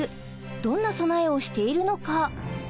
どんな備えをしているのか。